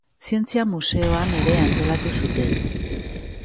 Zientzia Museoan ere antolatu zuten.